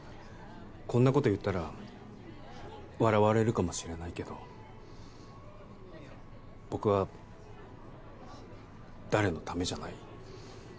こんなこと言ったら笑われるかもしれないけど僕は誰のためじゃない。